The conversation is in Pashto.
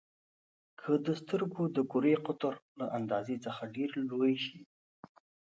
که د سترګو د کرې قطر له اندازې څخه ډېر لوی شي.